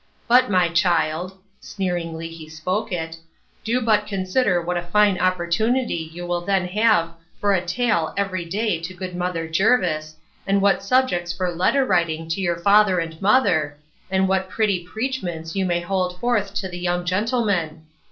But, my child, (sneeringly he spoke it,) do but consider what a fine opportunity you will then have for a tale every day to good mother Jervis, and what subjects for letter writing to your father and mother, and what pretty preachments you may hold forth to the young gentlemen.